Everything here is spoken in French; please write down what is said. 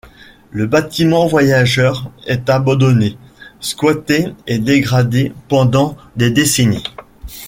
Le bâtiment voyageurs est abandonné, squatté et dégradé pendant des décennies.